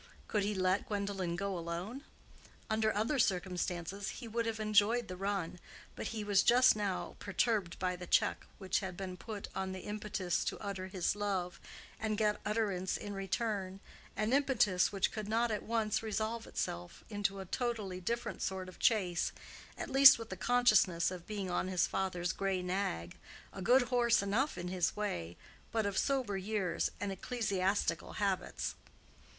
Could he let Gwendolen go alone? under other circumstances he would have enjoyed the run, but he was just now perturbed by the check which had been put on the impetus to utter his love, and get utterance in return, an impetus which could not at once resolve itself into a totally different sort of chase, at least with the consciousness of being on his father's gray nag, a good horse enough in his way, but of sober years and ecclesiastical habits.